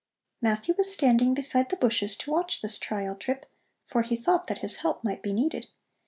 Matthew was standing beside the bushes to watch this trial trip, for he thought that his help might be needed.